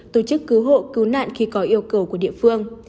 tổ chức cứu hộ cứu nạn khi có yêu cầu của địa phương